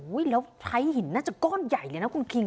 แล้วไพร้หินน่าจะก้อนใหญ่เลยนะคุณคิง